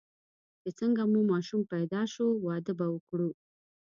چې څنګه مو ماشوم پیدا شو، واده به وکړو.